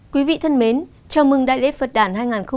quý vị thân mến chào mừng đại lễ phật đàn hai nghìn hai mươi bốn